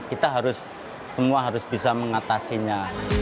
kita harus semua harus bisa mengatasinya